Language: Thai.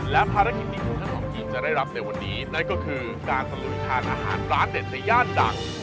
และภารกิจที่คุณทั้งสองทีมจะได้รับในวันนี้นั่นก็คือการสลุยทานอาหารร้านเด็ดในย่านดัง